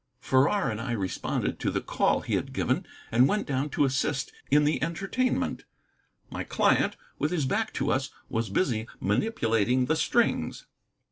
Farrar and I responded to the call he had given, and went down to assist in the entertainment. My client, with his back to us, was busy manipulating the strings.